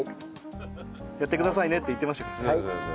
やってくださいねって言ってましたからね。